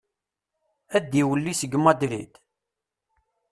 Ad d-iwelli seg Madrid?